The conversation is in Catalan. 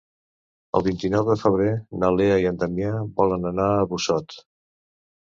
El vint-i-nou de febrer na Lea i en Damià volen anar a Busot.